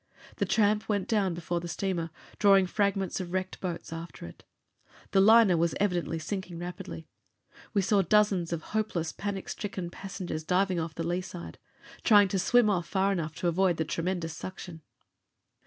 The tramp went down before the steamer, drawing fragments of wrecked boats after it. The liner was evidently sinking rapidly. We saw dozens of hopeless, panic stricken passengers diving off the lee side, trying to swim off far enough to avoid the tremendous suction.